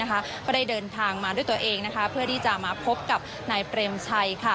ก็ได้เดินทางมาด้วยตัวเองเพื่อที่จะมาพบกับนายเปรมชัย